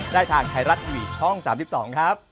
ได้ทางไทยรัฐทีวีช่อง๓๒ครับ